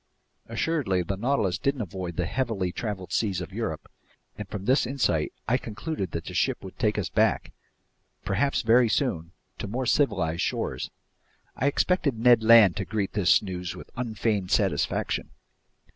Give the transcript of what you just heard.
Assuredly, the Nautilus didn't avoid the heavily traveled seas of Europe, and from this insight I concluded that the ship would take us back—perhaps very soon—to more civilized shores. I expected Ned Land to greet this news with unfeigned satisfaction.